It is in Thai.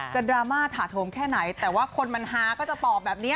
ดราม่าถาโถมแค่ไหนแต่ว่าคนมันฮาก็จะตอบแบบนี้